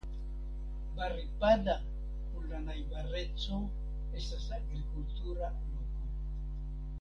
Baripada kun la najbareco estas agrikultura loko.